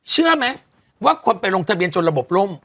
เชื่อไหมว่าคนไปลงทะเบียนจนระบบล่ม